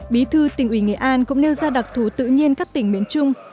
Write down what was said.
bí thư tỉnh ủy nghệ an cũng nêu ra đặc thù tự nhiên các tỉnh miền trung